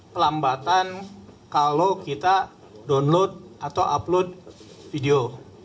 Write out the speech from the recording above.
pelambatan kalau kita download atau upload video